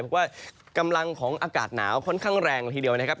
เพราะว่ากำลังของอากาศหนาวค่อนข้างแรงละทีเดียวนะครับ